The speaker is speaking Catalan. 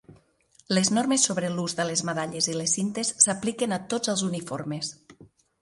Les normes sobre l'ús de les medalles i les cintes s'apliquen a tots els uniformes.